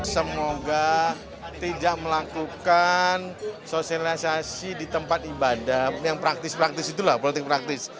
semoga tidak melakukan sosialisasi di tempat ibadah yang praktis praktis itulah politik praktis